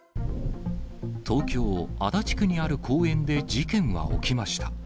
東京・足立区にある公園で事件は起きました。